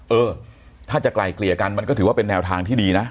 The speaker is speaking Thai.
เออถ้าจะไกลเกลี่ยกันมันก็ถือว่าเป็นแนวทางที่ดีนะ